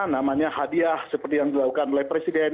namanya hadiah seperti yang dilakukan oleh presiden